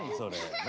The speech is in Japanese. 何？